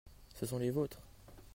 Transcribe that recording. ce sont les vôtres.